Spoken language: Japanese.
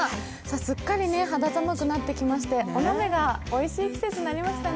すっかり肌寒くなってきまして、お鍋がおいしい季節になりましたね。